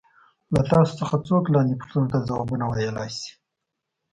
له تاسو څخه څوک لاندې پوښتنو ته ځوابونه ویلای شي.